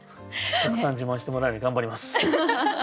たくさん自慢してもらえるように頑張ります。